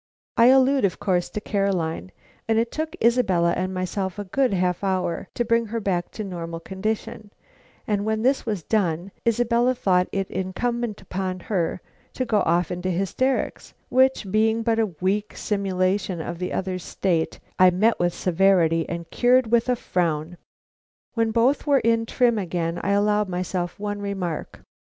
I allude, of course, to Caroline, and it took Isabella and myself a good half hour to bring her back to a normal condition, and when this was done, Isabella thought it incumbent upon her to go off into hysterics, which, being but a weak simulation of the other's state, I met with severity and cured with a frown. When both were in trim again I allowed myself one remark.